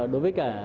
đối với cả